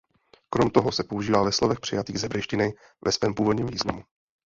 Krom toho se používá ve slovech přejatých z hebrejštiny ve svém původním významu.